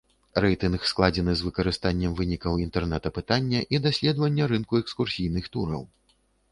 Рэйтынг складзены з выкарыстаннем вынікаў інтэрнэт-апытання і даследавання рынку экскурсійных тураў.